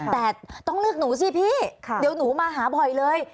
แต่ต้องเลือกหนูสิพี่เดี๋ยวหนูมาหาบ่อยเลย